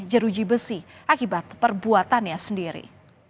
jeruji besi akibat perbuatannya sendiri